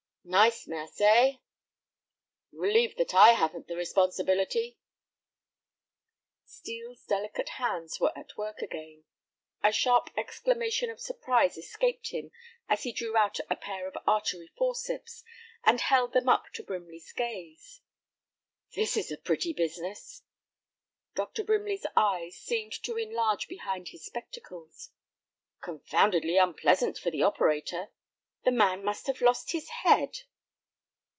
"Nice mess, eh?" "Relieved that I haven't the responsibility." Steel's delicate hands were at work again. A sharp exclamation of surprise escaped him as he drew out a pair of artery forceps, and held them up to Brimley's gaze. "This is a pretty business!" Dr. Brimley's eyes seemed to enlarge behind his spectacles. "Confoundedly unpleasant for the operator. The man must have lost his head."